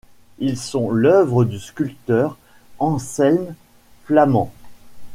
Ils sont l'œuvre du sculpteur Anselm Flamen.